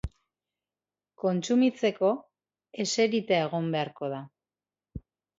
Kontsumitzeko, eserita egon beharko da.